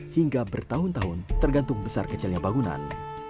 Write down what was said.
hingga bertahun tahun tergantung besar kecilnya bangunan